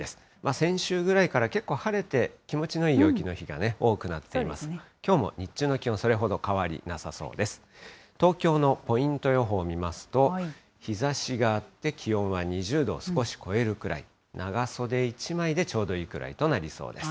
先週ぐらいから結構晴れて気持ちのいい陽気の日が多くなっていますが、きょうも日中の気温、それほど変わりなさそうです。